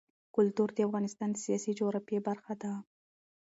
کلتور د افغانستان د سیاسي جغرافیه برخه ده.